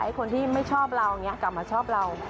ให้คนที่ไม่ชอบเรานี่กลับมาชอบเรา